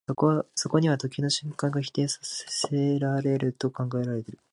そこには時の瞬間が否定せられると考えられる。